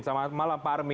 selamat malam pak armi